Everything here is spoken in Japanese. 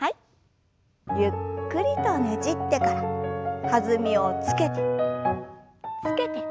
ゆっくりとねじってから弾みをつけてつけて。